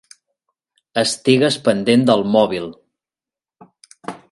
Estigues pendent del mòbil.